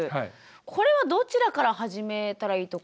これはどちらから始めたらいいとか？